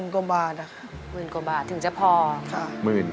๑๐๐๐๐กว่าบาทค่ะถึงจะพอค่ะ